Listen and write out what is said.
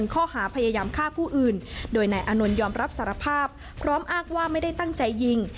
ความอ้างว่าไม่ได้ตั้งใจยิง